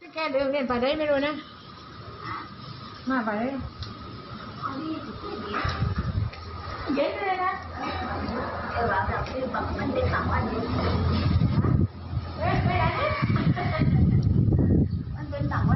ใช่ลำร้วงกุญชาบ้าน